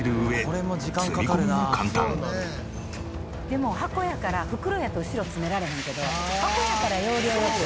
でも箱やから袋やと後ろ詰められへんけど箱やから要領良く。